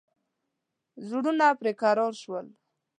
زړونه پر کراره شول.